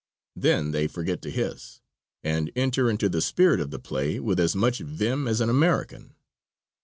Then they forget to hiss, and enter into the spirit of the play with as much vim as an American.